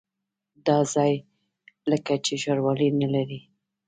دا ځای لکه چې ښاروالي نه لري.